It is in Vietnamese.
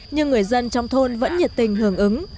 nhưng người dân trong thôn vẫn nhiệt tình hưởng ứng